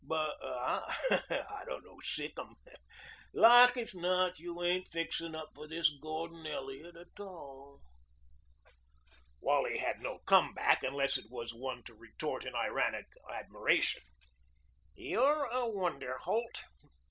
But I don't know sic' 'em. Like as not you ain't fixing up for this Gordon Elliot a tall." Wally had no come back, unless it was one to retort in ironic admiration. "You're a wonder, Holt.